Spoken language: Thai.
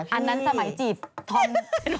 อันนั้นสมัยจีบทอม